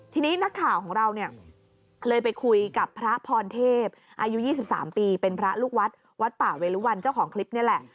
ทีนี้นักข่าวของเราเนี่ยเคยไปคุยกับพระพรเทพอายุ๒๓ปีเป็นพระลูกวัดวัดป่าเวรุวันเจ้าของคลิปนี่แหละ